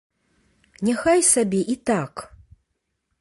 Няхай сабе і так!